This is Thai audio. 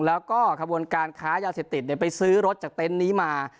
แล้วก็ขบวนการค้ายาเสพติดไปซื้อรถจากเต็นต์นี้มา